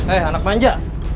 eh anak manja